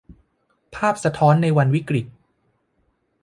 ภาพสะท้อนในวันวิกฤต